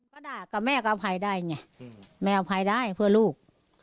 ก็ด่ากับแม่ก็อภัยได้ไงแม่อภัยได้เพื่อลูก